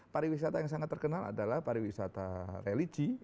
pariwisata yang sangat terkenal adalah pariwisata religi